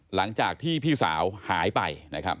หลังจากที่พี่สาวหายไป